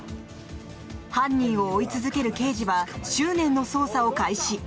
犯人を追い続ける刑事は執念の捜査を開始。